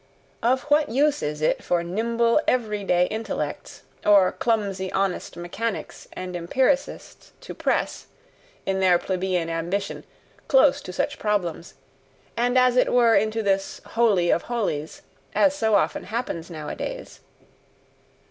Of what use is it for nimble, everyday intellects, or clumsy, honest mechanics and empiricists to press, in their plebeian ambition, close to such problems, and as it were into this "holy of holies" as so often happens nowadays!